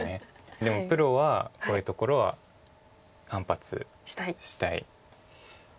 でもプロはこういうところは反発したい。